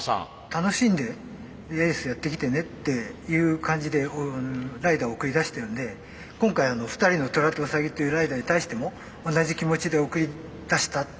楽しんでレースやってきてねっていう感じでライダーを送り出してるんで今回２人のトラとウサギっていうライダーに対しても同じ気持ちで送り出したと。